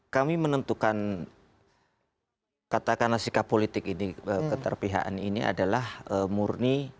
kami menentukan katakanlah sikap politik ini keterpihakan ini adalah murni